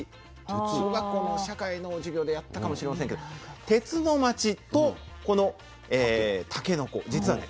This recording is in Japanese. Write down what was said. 小学校の社会の授業でやったかもしれませんけど鉄の街とこのたけのこ実はね